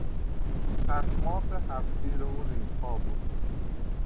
چخماق هفت تیر او نیم پا بود.